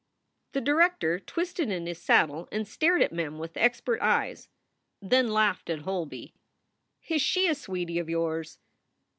The director twisted in his saddle and stared at Mem with expert eyes, then laughed at Holby: "Is she a sweetie of yours?"